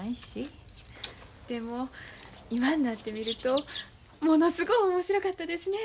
でも今になってみるとものすごう面白かったですね。